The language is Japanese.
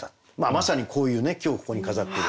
まさにこういうね今日ここに飾ってる。